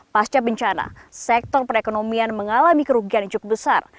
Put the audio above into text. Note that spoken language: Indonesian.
pasca bencana sektor perekonomian mengalami kerugian juga besar